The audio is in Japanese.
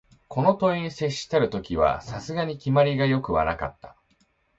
この問に接したる時は、さすがに決まりが善くはなかった